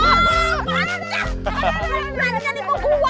gak ada penyelesai muita lius dan